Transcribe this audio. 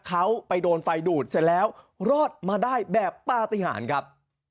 เขาไปโดนไฟดูดเสร็จแล้วรอดมาได้แบบปฏิหารครับ